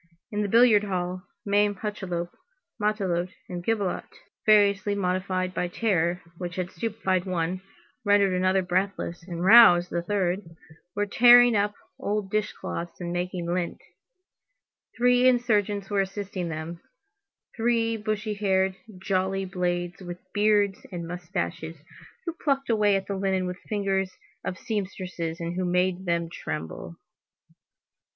In the billiard hall, Mame Hucheloup, Matelote, and Gibelotte, variously modified by terror, which had stupefied one, rendered another breathless, and roused the third, were tearing up old dish cloths and making lint; three insurgents were assisting them, three bushy haired, jolly blades with beards and moustaches, who plucked away at the linen with the fingers of seamstresses and who made them tremble.